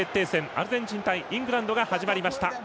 アルゼンチン対イングランドが始まりました。